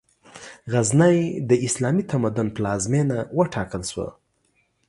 غزنی، د اسلامي تمدن پلازمېنه وټاکل شوه.